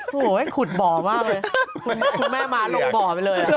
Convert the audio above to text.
โหไม่คุดบ่อมากเลยครูแม่มาหลงบ่อไปเลย